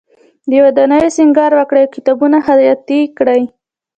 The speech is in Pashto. د ودانیو سینګار وکړي او کتابونه خطاطی کړي.